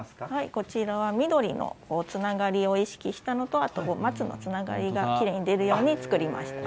こちらは、緑のつながりを意識したのと、あと松のつながりがきれいに出るように作りました。